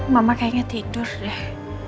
mama kayaknya tidur deh